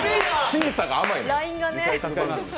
審査が甘いのよ。